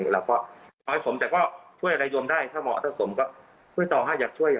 แล้วก็ช่วยอะไรยวมได้ถ้าเหมาะประสมก็ช่วยต่อ